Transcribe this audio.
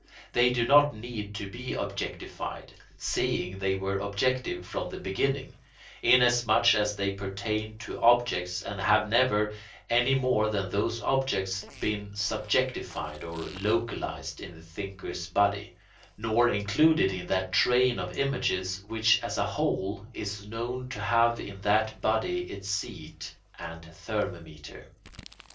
They do not need to be objectified, seeing they were objective from the beginning, inasmuch as they pertain to objects and have never, any more than those objects, been "subjectified" or localised in the thinker's body, nor included in that train of images which as a whole is known to have in that body its seat and thermometer.